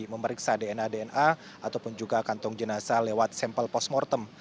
memeriksa dna dna ataupun juga kantong jenazah lewat sampel postmortem